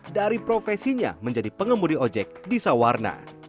dari profesinya menjadi pengemudi ojek di sawarna